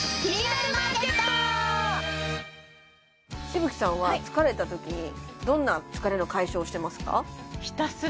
紫吹さんは疲れたときにどんな疲れの解消してますか？